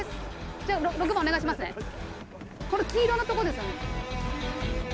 これ黄色のとこですよね？